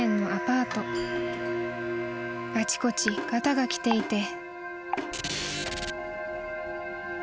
［あちこちがたがきていて］